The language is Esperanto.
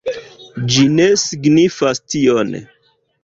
Ĝi ne signifas tion.